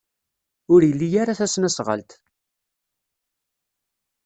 Ur ili ara tasnasɣalt.